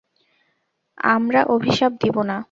আমরা অভিশাপ দিব না।